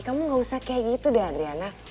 kamu gak usah kayak gitu deh adriana